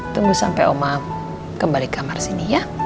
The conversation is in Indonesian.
tunggu sampai oma kembali kamar sini ya